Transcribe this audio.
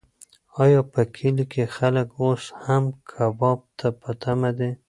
ایا په کلي کې خلک اوس هم کباب ته په تمه دي؟